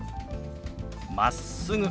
「まっすぐ」。